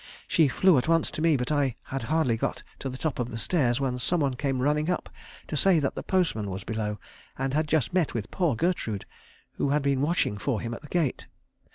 She flew at once to me, but I had hardly got to the top of the stairs when some one came running up to say that the postman was below, and had just met with poor Gertrude, who had been watching for him at the gate.